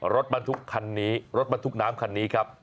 รถบรรทุกคันนี้รถบรรทุกน้ำคันนี้ครับ